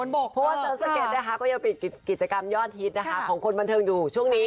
เพราะว่าศรีสะเกดนะคะก็ยังปิดกิจกรรมยอดฮิตนะคะของคนบันเทิงอยู่ช่วงนี้